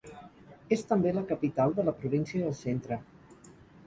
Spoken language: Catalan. És també la capital de la província del Centre.